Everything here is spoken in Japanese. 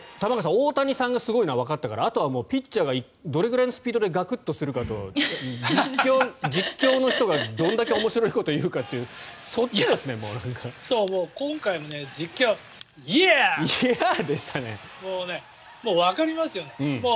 大谷さんがすごいのはわかったから、ピッチャーがどれぐらいのスピードでガクッとするかと実況の人がどれだけ面白いことを言うかってそっちですね、もう。